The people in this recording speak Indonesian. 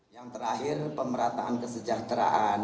yang terakhir pemerataan kesejahteraan